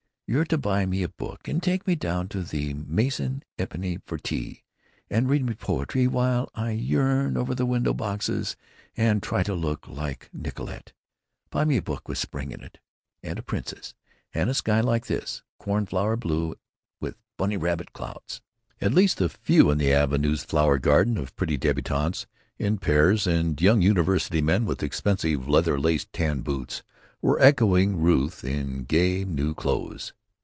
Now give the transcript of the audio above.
You're to buy me a book and take me down to the Maison Épinay for tea, and read me poetry while I yearn over the window boxes and try to look like Nicollette. Buy me a book with spring in it, and a princess, and a sky like this—cornflower blue with bunny rabbit clouds." At least a few in the Avenue's flower garden of pretty débutantes in pairs and young university men with expensive leather laced tan boots were echoing Ruth in gay, new clothes.